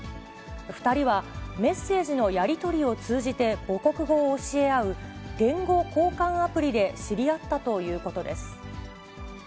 ２人はメッセージのやり取りを通じて母国語を教え合う、言語交換アプリで知り合ったということです。